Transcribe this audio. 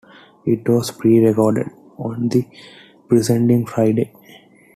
It was pre-recorded on the preceding Friday.